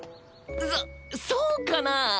そそうかな？